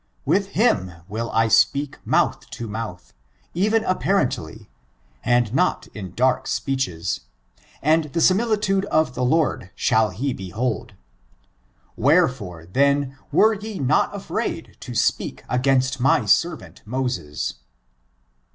With him will I speak mouth to mouthj even apparently, and not in dark speeches; and the similitude of the Lord shall he be hold ; wherefore, then, were ye not afraid to speak against my servant Moses.